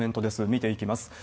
見ていきます。